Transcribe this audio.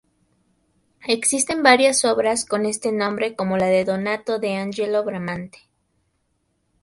Existen varias obras con este nombre como la de Donato d'Angelo Bramante.